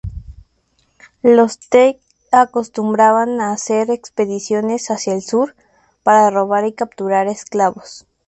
Los Teke acostumbraban a hacer expediciones hacia el sur, para robar y capturar esclavos.